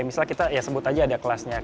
misalnya kita ya sebut aja ada kelasnya